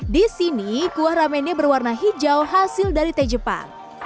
di sini kuah ramennya berwarna hijau hasil dari teh jepang